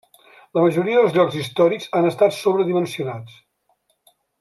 La majoria dels llocs històrics han estat sobredimensionats.